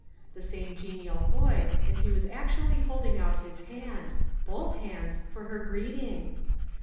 The same genial voice, and he was actually holding out his hand both hands for her greeting